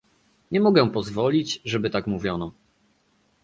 Nie mogę pozwolić, żeby tak mówiono